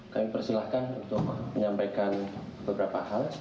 kami persilahkan untuk menyampaikan beberapa hal